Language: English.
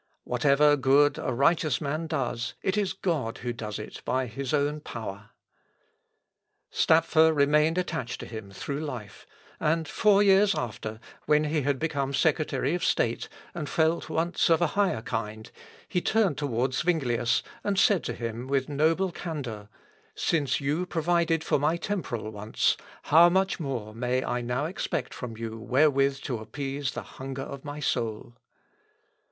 Whatever good a righteous man does it is God who does it by his own power." Stapfer remained attached to him through life; and, four years after, when he had become secretary of state, and felt wants of a higher kind, he turned towards Zuinglius, and said to him with noble candour, "Since you provided for my temporal wants, how much more may I now expect from you wherewith to appease the hunger of my soul!"